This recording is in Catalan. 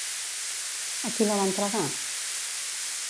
A qui la va entregar?